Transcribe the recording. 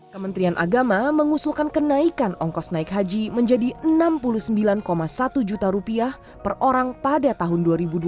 kementerian agama mengusulkan kenaikan ongkos naik haji menjadi rp enam puluh sembilan satu juta rupiah per orang pada tahun dua ribu dua puluh